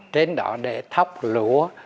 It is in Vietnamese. trên đó để thóc lũa